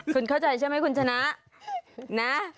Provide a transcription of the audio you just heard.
คุณเข้าใจใช่ไหมคุณชนะนะ